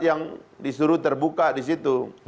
yang disuruh terbuka di situ